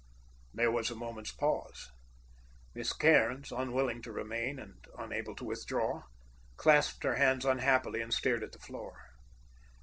There was a moment's pause. Miss Cairns, unwilling to remain, and unable to withdraw, clasped her hands unhappily and stared at the floor.